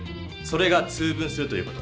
それが「通分する」という事。